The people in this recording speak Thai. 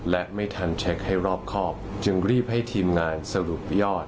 และไม่ทันเช็คให้รอบครอบจึงรีบให้ทีมงานสรุปยอด